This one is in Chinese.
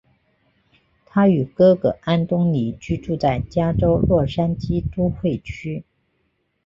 他与哥哥安东尼居住在加州洛杉矶都会区。